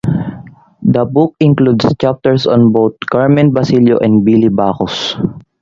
The book includes chapters on both Carmen Basilio and Billy Backus.